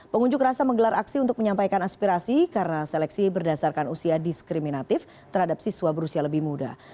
pengunjuk rasa menggelar aksi untuk menyampaikan aspirasi karena seleksi berdasarkan usia diskriminatif terhadap siswa berusia lebih muda